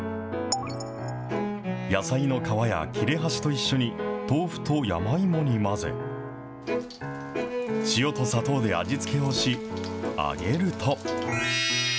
野菜の皮や切れ端と一緒に、豆腐と山芋に混ぜ、塩と砂糖で味付けをし、揚げると。